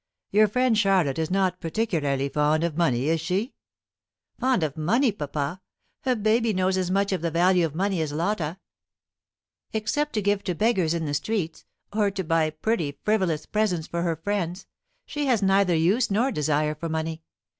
Your friend Charlotte is not particularly fond of money, is she?" "Fond of money, papa? A baby knows as much of the value of money as Lotta. Except to give to beggars in the streets, or to buy pretty frivolous presents for her friends, she has neither use nor desire for money.